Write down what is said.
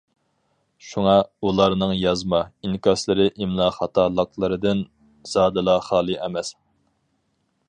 شۇڭا، ئۇلارنىڭ يازما، ئىنكاسلىرى ئىملا خاتالىقلىرىدىن زادىلا خالى ئەمەس.